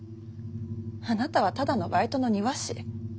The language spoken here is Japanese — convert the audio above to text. あなたはただのバイトの庭師。